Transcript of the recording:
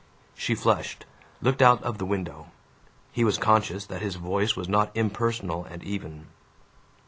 She flushed, looked out of the window. He was conscious that his voice was not impersonal and even.